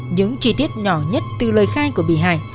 những chi tiết nhỏ nhất từ lời khai của bị hại